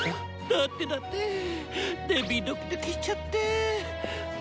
だってだってデビドキドキしちゃって。